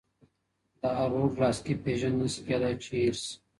د هارولډ لاسکي پېژند نسي کېدای چي هېر سي.